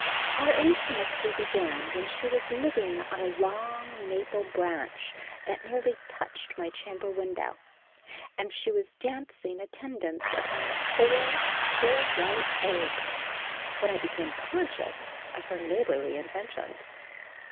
Our intimacy began when she was living on a long maple branch that nearly touched my chamber window, and she was dancing attendance upon four pure white eggs when I became conscious of her neighborly intentions.